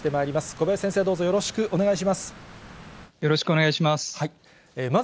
小林先生、どうぞよろしくお願いします。